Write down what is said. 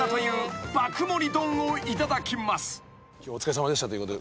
今日はお疲れさまでしたということで。